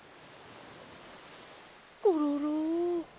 コロロ。